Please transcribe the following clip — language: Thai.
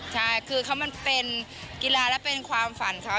ใช่คือเขามันเป็นกีฬาและเป็นความฝันเขา